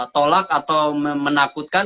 tolak atau menakutkan